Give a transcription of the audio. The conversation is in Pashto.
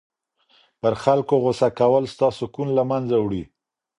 پر خلکو غصه کول ستا سکون له منځه وړي.